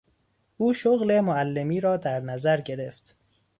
او شغل معلمی را در نظر گرفت.